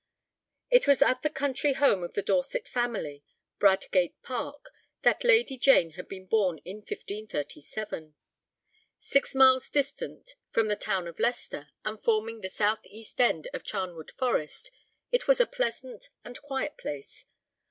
It was at the country home of the Dorset family, Bradgate Park, that Lady Jane had been born, in 1537. Six miles distant from the town of Leicester, and forming the south east end of Charnwood Forest, it was a pleasant and quiet place.